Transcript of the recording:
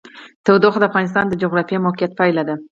تودوخه د افغانستان د جغرافیایي موقیعت پایله ده.